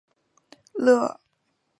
勒夫雷克。